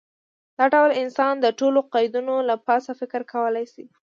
دا ډول انسان د ټولو قیدونو له پاسه فکر کولی شي.